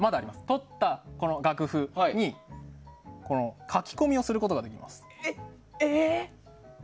撮った楽譜に書き込みをすることができます。